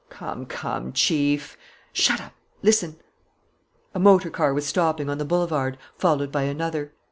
"Come, come, Chief " "Shut up! ... Listen!" A motor car was stopping on the boulevard, followed by another.